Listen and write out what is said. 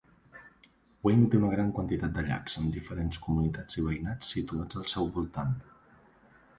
Wayne té una gran quantitat de llacs, amb diferents comunitats i veïnats situats al seu voltant.